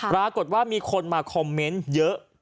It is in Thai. ปรากฏว่ามีคนมาคอมเมนต์เยอะ